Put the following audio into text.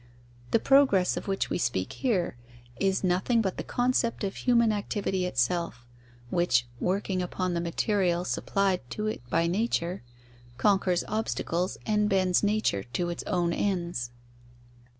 The progress of which we speak here, is nothing but the concept of human activity itself, which, working upon the material supplied to it by nature, conquers obstacles and bends nature to its own ends.